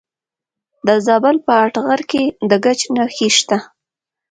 د زابل په اتغر کې د ګچ نښې شته.